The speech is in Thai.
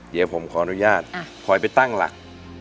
เดี๋ยวผมขออนุญาตคอยไปตั้งหลัก